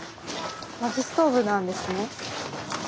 まきストーブなんですね。